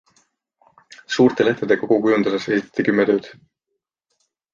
Suurte lehtede kogu kujunduses esitati kümme tööd.